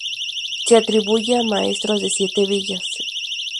Se atribuye a maestros de Siete Villas.